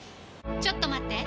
ちょっと待って！